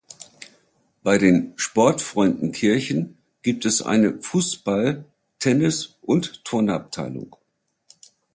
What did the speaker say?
Bei den "Sportfreunden Kirchen" gibt es eine Fußball-, Tennis- und Turnabteilung.